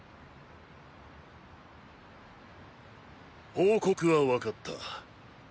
報告はわかった。